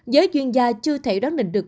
giới chuyên gia chưa thể đoán định được